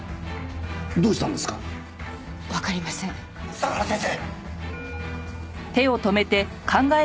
相良先生！